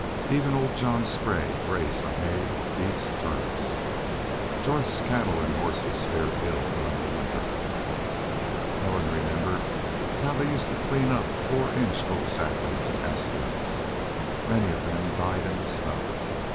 Even old John Sprague raised some hay, beets, turnips. Jorth's cattle and horses fared ill during the winter. Ellen remembered how they used to clean up four inch oak saplings and aspens. Many of them died in the snow.